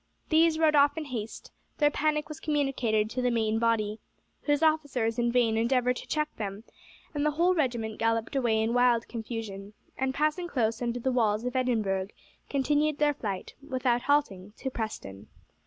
These rode off in haste, their panic was communicated to the main body, whose officers in vain endeavoured to check them, and the whole regiment galloped away in wild confusion, and passing close under the walls of Edinburgh continued their flight, without halting, to Preston.